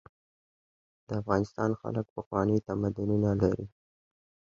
د افغانستان خلک پخواني تمدنونه لري.